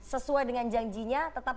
sesuai dengan janjinya tetap